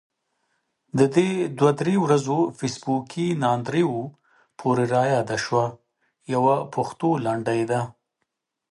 د دې دوه درې ورځو فیسبوکي ناندريو پورې رایاده شوه، يوه پښتو لنډۍ ده: